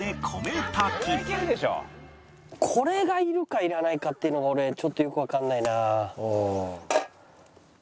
これがいるかいらないかっていうのが俺ちょっとよくわからないな。